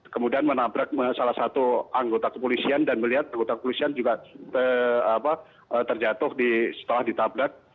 kemudian menabrak salah satu anggota kepolisian dan melihat anggota kepolisian juga terjatuh setelah ditabrak